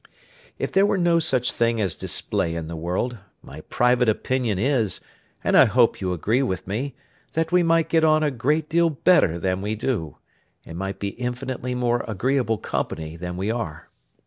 If there were no such thing as display in the world, my private opinion is, and I hope you agree with me, that we might get on a great deal better than we do, and might be infinitely more agreeable company than we are.